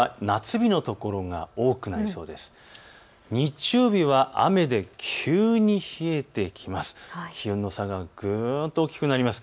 日曜日は雨で急に冷えてきます。